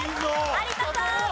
有田さん。